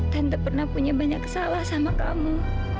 tante pernah punya banyak salah sama kamu